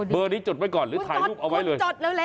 เบอร์นี้จดไว้ก่อนหรือถ่ายลูกเอาไว้เลย